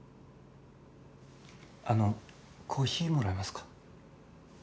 あのコーヒーもらえますか？